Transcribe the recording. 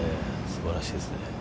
すばらしいですね。